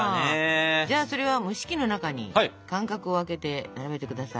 じゃあそれは蒸し器の中に間隔を空けて並べてください。